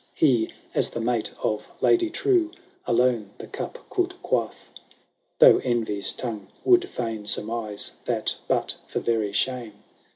He, as the mate of lady true, Alone the cup could quaff. Though envy*B ton^e would fkin surmiBe, That, but for very shame.